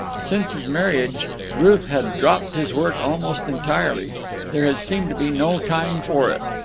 Since his marriage Kirk had dropped his work almost entirely. There had seemed to be no time for it.